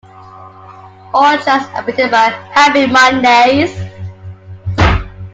All tracks are written by Happy Mondays.